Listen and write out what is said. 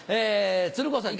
鶴光さん